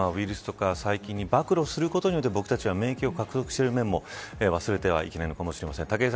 ウイルスや細菌に暴露することによって僕たちは、免疫を獲得している面も忘れてはいけないのかもしれません。